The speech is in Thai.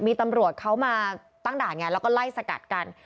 มีตำรวจเขามาตั้งด่านไงแล้วก็ไล่สกัดกัน